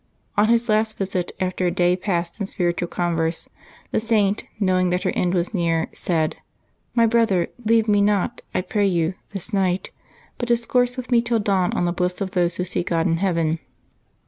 On his last visit, after a day passed in spiritual converse, the Saint, knowing that her end was near, said, " My brother, leave me not, I pray yon, this night, but discourse with me till dawn on the bliss of those who see God in heaven."